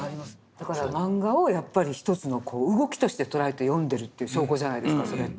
だからマンガをやっぱり一つの動きとして捉えて読んでるという証拠じゃないですかそれって。